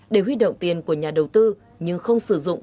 để huy động tiền của nhà đầu tư nhưng không sử dụng